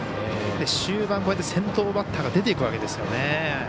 終盤、先頭バッターが出ていくわけですからね。